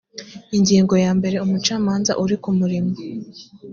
ingingo yambere umucamanza uri ku murimo